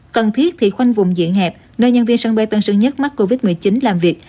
cần thiết thì khoanh vùng diện hẹp nơi nhân viên sân bay tân sơn nhất mắc covid một mươi chín làm việc